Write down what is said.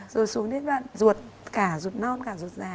rồi xuống đến bạn ruột cả ruột non cả ruột già